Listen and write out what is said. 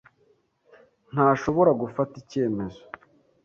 ntashobora gufata icyemezo.